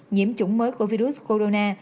nhiễm chủng mới của virus corona